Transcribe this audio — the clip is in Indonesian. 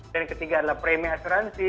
dan yang ketiga adalah premium asuransi